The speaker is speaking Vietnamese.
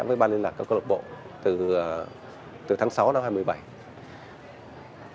với ban liên lạc các cơ lộc bộ từ tháng sáu đến tháng hai mươi bảy